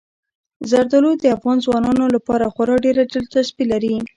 زردالو د افغان ځوانانو لپاره خورا ډېره دلچسپي لري.